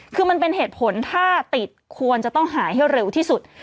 คือมันเป็นเหตุผลถ้าติดควรจะต้องหายให้เร็วที่สุด